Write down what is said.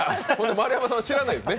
丸山さんは知らないんですね？